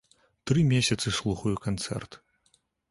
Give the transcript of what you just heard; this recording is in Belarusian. Тры месяцы слухаю канцэрт.